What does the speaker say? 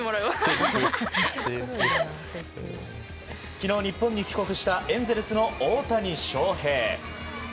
昨日、日本に帰国したエンゼルスの大谷翔平。